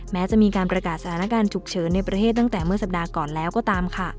แม้จะมีการประกาศสถานการณ์ฉุกเฉินในประเทศตั้งแต่เมื่อสัปดาห์ก่อนแล้วก็ตามค่ะ